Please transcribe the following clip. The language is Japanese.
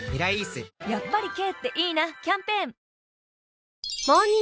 やっぱり軽っていいなキャンペーン